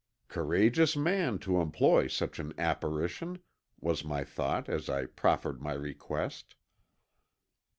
"Courageous man to employ such an apparition," was my thought as I proferred my request.